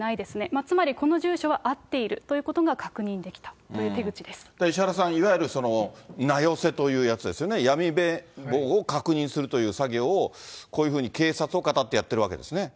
つまりこの住所は合っていたということが確認できたという手口で石原さん、いわゆる名寄せというやつですよね、闇名簿を確認するという作業をこういうふうに警察をかたってやっはい。